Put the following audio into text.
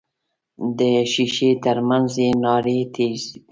د ښیښې تر منځ یې نارې تیریږي.